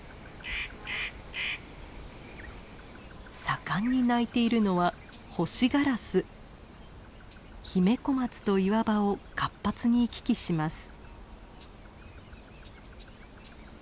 盛んに鳴いているのはヒメコマツと岩場を活発に行き来します。